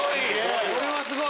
これはすごい！